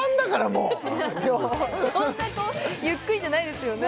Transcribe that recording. そうですかそんなゆっくりじゃないですよね